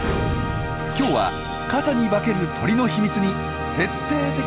今日は傘に化ける鳥の秘密に徹底的に迫ります。